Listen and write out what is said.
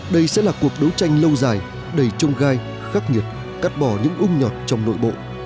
đây sẽ là cuộc đấu tranh lâu dài đầy trông gai khắc nghiệt cắt bỏ những ung nhọt trong nội bộ